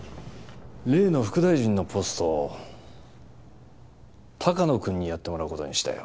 例の副大臣のポスト鷹野君にやってもらうことにしたよ。